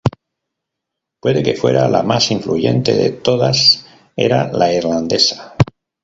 Puede que fuera la más influyente de todas era la irlandesa.